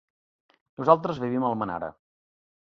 Nosaltres vivim a Almenara.